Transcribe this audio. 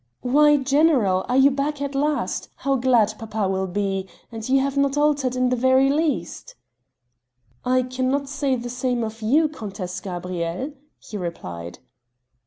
"Why, General! are you back at last? How glad papa will be and you have not altered in the very least!..." "I cannot say the same of you, Countess Gabrielle," he replied.